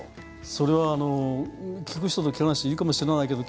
それは効く人と効かない人いるかもしれないけど